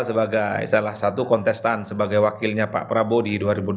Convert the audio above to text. sebagai salah satu kontestan sebagai wakilnya pak prabowo di dua ribu dua puluh